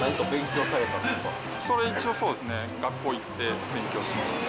一応そうですね、学校行って勉強しました。